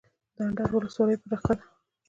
د اندړ ولسوالۍ پراخه ده